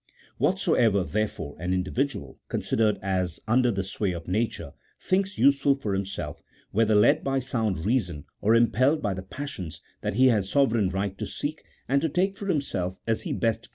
Whatsoever, therefore, an individual (considered as under the sway of nature) thinks useful for himself, whether led by sound reason or impelled by the passions, that he has sovereign right to seek and to take for himself as he best 202 A THEOLOGICO POLITICAL TEEATISE. [CHAP.